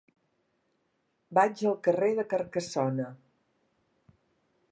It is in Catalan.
Vaig al carrer de Carcassona.